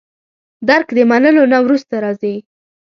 درک د منلو نه وروسته راځي.